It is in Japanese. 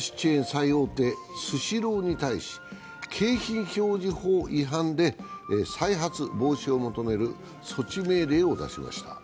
最大手・スシローに対し景品表示法違反で再発防止を求める措置命令を出しました。